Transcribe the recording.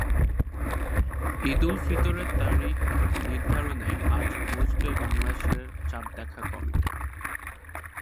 ঈদুল ফিতরের তারিখ নির্ধারণে আজ বসবে বাংলাদেশের চাঁদ দেখা কমিটি।